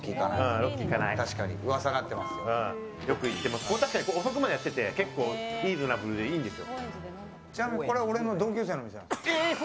ここ遅くまでやってて結構リーズナブルでいいんですよ。